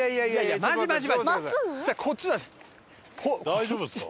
大丈夫ですか？